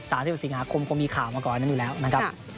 สาธิตสิงหาคมก็มีข่าวมาก่อนอยู่แล้วนะครับ